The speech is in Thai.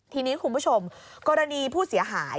ทีนี้คุณผู้ชมกรณีผู้เสียหาย